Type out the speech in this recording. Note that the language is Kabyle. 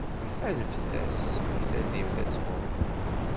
Anef-as i tadimt ad tɣumm.